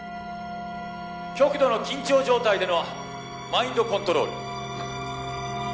極度の緊張状態でのマインドコントロール。